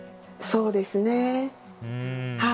そうですね。